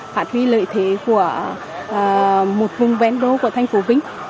phát huy lợi thế của một vùng vén đô của thành phố vĩnh